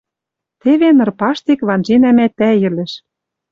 Теве ныр паштек ванжена мӓ тӓйӹлӹш